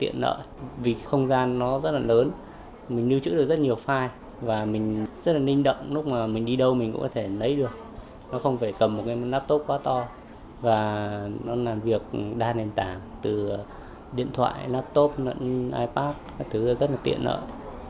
nó không phải cầm một cái laptop quá to và nó làm việc đa nền tảng từ điện thoại laptop ipad các thứ rất là tiện lợi